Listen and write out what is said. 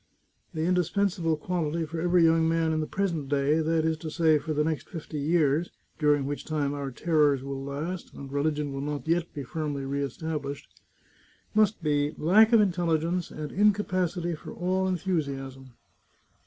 The indispensable quality for every young man in the present day — that is to say, for the next fifty years, during which time our terrors will last, and religion will not yet be firmly re established — must be lack of intelligence and incapacity for all enthu siasm.